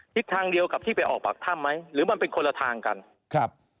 ทิศทางเดียวกับที่ไปออกปากถ้ำไหมหรือมันเป็นคนละทางกันครับ